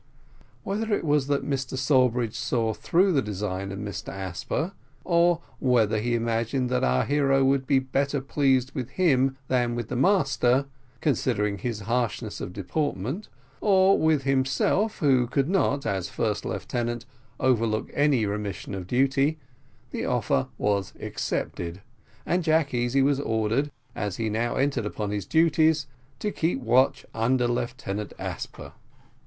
Whether it was that Mr Sawbridge saw through the design of Mr Asper, or whether he imagined that our hero would be better pleased with him than with the master, considering his harshness of deportment; or with himself, who could not, as first lieutenant, overlook any remission of duty, the offer was accepted, and Jack Easy was ordered, as he now entered upon his duties, to keep watch under Lieutenant Asper.